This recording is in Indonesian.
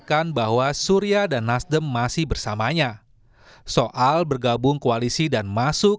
kita tuh semua sama mk